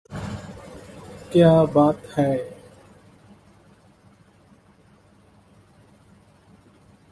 কেয়া বাত হ্যায়!